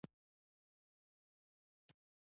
قلم او کاغذ